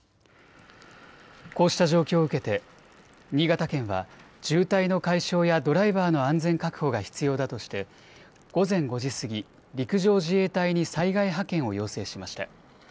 こうした状況を受けて新潟県は渋滞の解消やドライバーの安全確保が必要だとして午前５時過ぎ、陸上自衛隊に災害派遣を要請しました。